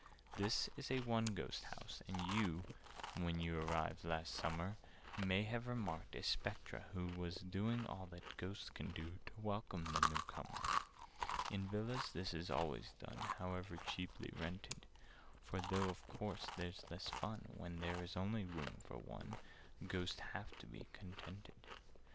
"This is a 'one ghost' house, and you When you arrived last summer, May have remarked a Spectre who Was doing all that Ghosts can do To welcome the new comer. "In Villas this is always done— However cheaply rented: For, though of course there's less of fun When there is only room for one, Ghosts have to be contented.